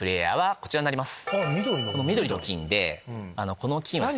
こちらになります。